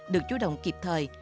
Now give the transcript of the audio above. được chủ động kịp thời